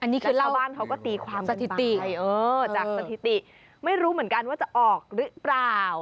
นี่คือเล่าบ้านเขาก็ตีความสถิติจากสถิติไม่รู้เหมือนกันว่าจะออกหรือเปล่า